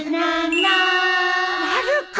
まる子！